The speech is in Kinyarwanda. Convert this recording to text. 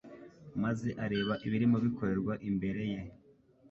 maze areba ibirimo bikorerwa imbere ye.